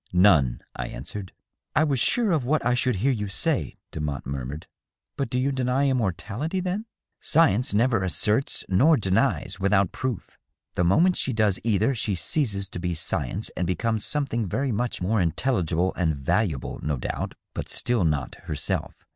" None," I answered. "I was sure of what I should hear you say," Demotte murmured. " But do you deny immortality, then ?"" Science never asserts nor denies without proof. The moment she does either she ceases to be science and becomes something very much more intelligible and valuable, no doubt, but still not herself.